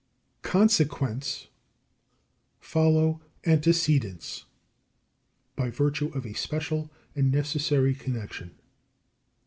45. Consequents follow antecedents by virtue of a special and necessary connexion.